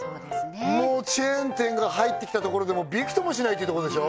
もうチェーン店が入ってきたところでもびくともしないってとこでしょ